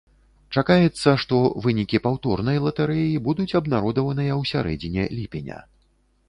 Чакаецца, што вынікі паўторнай латэрэі будуць абнародаваныя ў сярэдзіне ліпеня.